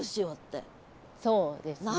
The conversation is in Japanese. そうですね。